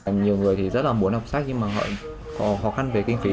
nhiều người rất là muốn học sách nhưng mà họ khó khăn về kinh phí